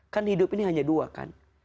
kan hidup ini hanya dua kan